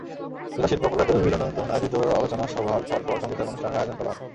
জেলা শিল্পকলা একাডেমী মিলনায়তনে আয়োজিত আলোচনা সভার পরপর সংগীতানুষ্ঠানের আয়োজন করা হয়।